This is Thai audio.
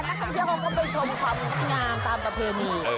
อ่ะนักภูเที่ยวคงก็ไปชมความงานตามประเภนี